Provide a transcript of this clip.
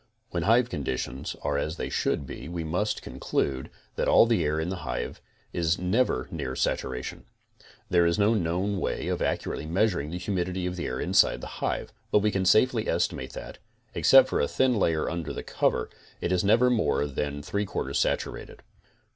When hive conditions are as they should be we must con clude that all the air in the hive is never near saturation. There is no known way of accurately measuring the humidity of the air inside the hive, but we can safely estimate that, except for a thin £2 CONSTRUCTIVE BEEKEEPING layer under the cover, it is never more than 3 4 saturated.